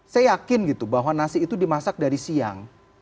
saya yakin gitu bahwa nasi itu dimasak dari siang